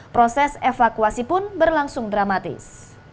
proses evakuasi pun berlangsung dramatis